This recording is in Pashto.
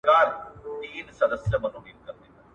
تاسو به د خپل هېواد له خلګو سره مرسته وکړئ.